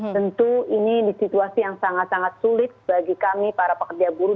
tentu ini di situasi yang sangat sangat sulit bagi kami para pekerja buruh